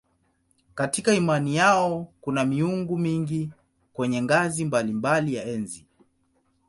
Katika imani yao kuna miungu mingi kwenye ngazi mbalimbali ya enzi.